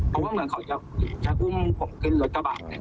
เหมือนเขาจะอุ้มมือขึ้นรถกระบาด